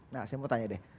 nah saya mau tanya deh